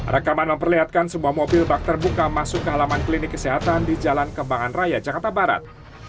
rekaman memperlihatkan sebuah mobil bak terbuka masuk ke halaman klinik kesehatan di jalan kembangan raya jakarta barat